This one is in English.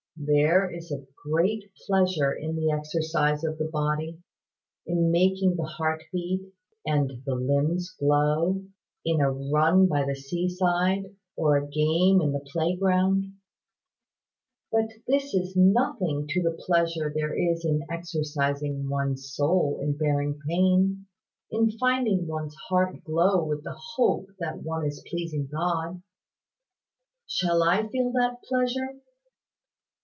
There is a great pleasure in the exercise of the body, in making the heart beat, and the limbs glow, in a run by the sea side, or a game in the playground; but this is nothing to the pleasure there is in exercising one's soul in bearing pain, in finding one's heart glow with the hope that one is pleasing God." "Shall I feel that pleasure?"